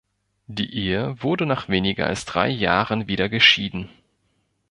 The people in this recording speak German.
Die Ehe wurde nach weniger als drei Jahren wieder geschieden.